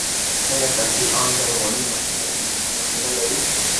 ايا سياسي آند لرغونې مخينه لري؟